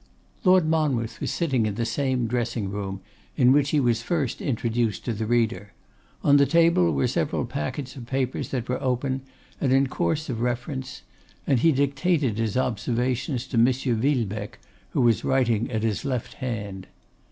Lord Monmouth was sitting in the same dressing room in which he was first introduced to the reader; on the table were several packets of papers that were open and in course of reference; and he dictated his observations to Monsieur Villebecque, who was writing at his left hand.